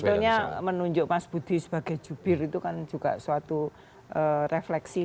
sebetulnya menunjuk mas budi sebagai jubir itu kan juga suatu refleksi